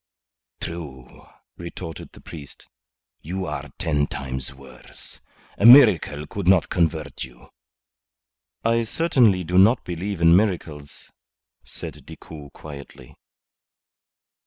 "True," retorted the priest. "You are ten times worse. A miracle could not convert you." "I certainly do not believe in miracles," said Decoud, quietly.